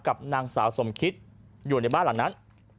กับนางสาวสมคิดอยู่ในบ้านหลังนั้น